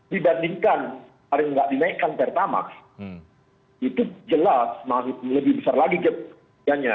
dibandingkan hari nggak dinaikkan pertamax itu jelas masih lebih besar lagi kejadiannya